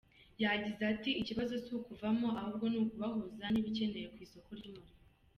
Yagize ati “Ikibazo si ukuvamo ahubwo ni ukubahuza n’ibikenewe ku isoko ry’umurimo.